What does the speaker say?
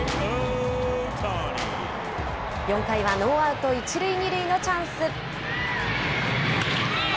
４回はノーアウト１塁２塁のチャンス。